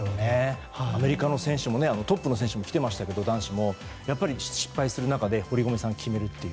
アメリカの選手、男子でトップの選手もきていましたけど失敗する中で堀米さんが決めるという。